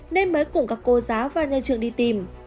nên mới cùng các cô giáo và nhà trường đi tìm